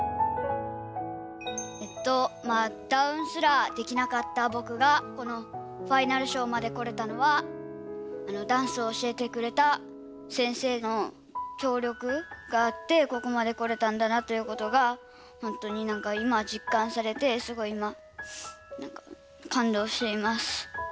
えっとまあダウンすらできなかったぼくがこのファイナルショーまでこれたのはダンスを教えてくれた先生のきょう力があってここまでこれたんだなということがほんとになんかいま実感されてすごいいま感動しています。